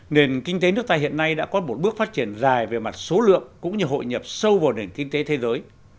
nền kinh tế nước ta hiện nay đã có một bước phát triển dài về mặt số lượng cũng như hội nhập sâu vào nền kinh tế thế giới